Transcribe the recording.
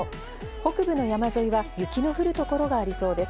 北部の山沿いは雪の降る所がありそうです。